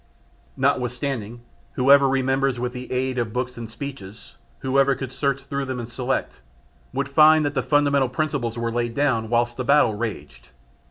Notwithstanding, whoever remembers with the aid of books and speeches, whoever could search through them and select, would find that the fundamental principles were laid down whilst the battle raged.